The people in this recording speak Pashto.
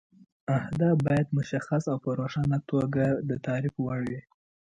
اهداف باید مشخص او په روښانه توګه د تعریف وړ وي.